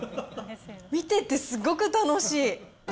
見ててすごく楽しい。